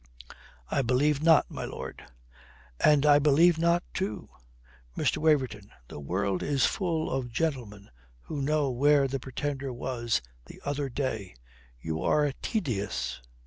"I believe not, my lord." "And I believe not too. Mr. Waverton, the world is full of gentlemen who know where the Pretender was the other day. You are tedious.